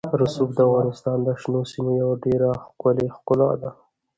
رسوب د افغانستان د شنو سیمو یوه ډېره ښکلې ښکلا ده.